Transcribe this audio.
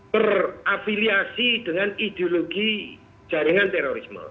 terafiliasi dengan ideologi jaringan terorisme